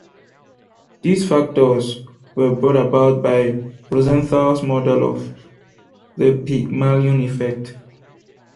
These factors were brought about by Rosenthal's model of the Pygmalion effect.